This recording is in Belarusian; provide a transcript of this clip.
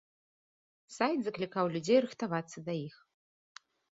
Сайт заклікаў людзей рыхтавацца да іх.